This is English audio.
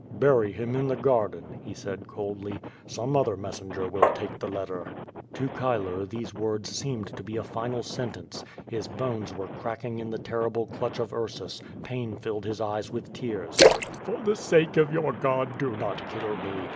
"J5ury him in the garden," he said coldly, "some other mes senger will take the letter." To Chilo these wonls seemed to ])e a final sentence. His Imnes were cracking in the terrible clutch of Ursus, pain filled his eyes with tears. "For the sake of vour God, do not kill me!